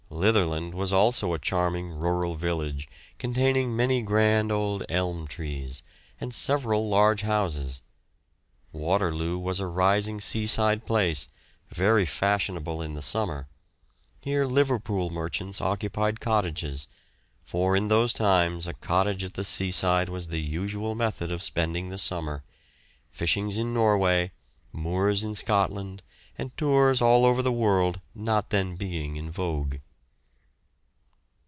Litherland was also a charming rural village, containing many grand old elm trees, and several large houses. Waterloo was a rising seaside place, very fashionable in the summer; here Liverpool merchants occupied cottages, for in those times a cottage at the seaside was the usual method of spending the summer: fishings in Norway, moors in Scotland, and tours all over the world not then being in vogue.